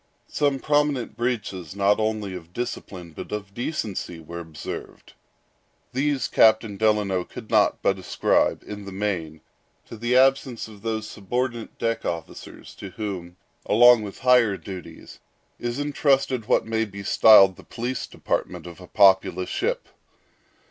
Some prominent breaches, not only of discipline but of decency, were observed. These Captain Delano could not but ascribe, in the main, to the absence of those subordinate deck officers to whom, along with higher duties, is intrusted what may be styled the police department of a populous ship.